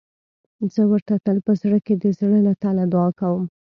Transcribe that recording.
زه ورته تل په زړه کې د زړه له تله دعا کوم.